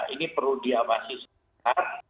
ini perlu diawasi segera